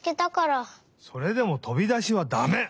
それでもとびだしはだめ！